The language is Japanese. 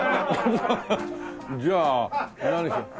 じゃあ何にしよう。